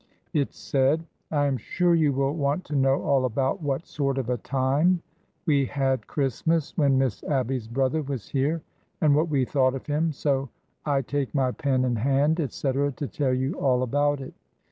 '' It said :'' I am sure you will want to know all about what sort of a time we had Christmas, when Miss Abby's brother was here, and what we thought of him, so I ' take my pen in hand,' etc., to tell you all about it.